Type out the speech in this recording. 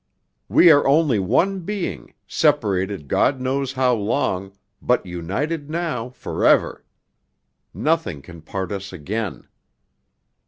We are only one being, separated God knows how long, but united now forever. Nothing can part us again."